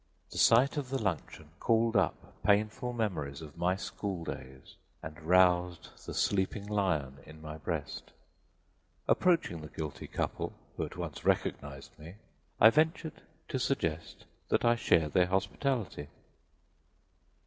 The sight of the luncheon called up painful memories of my school days and roused the sleeping lion in my breast. Approaching the guilty couple, who at once recognized me, I ventured to suggest that I share their hospitality.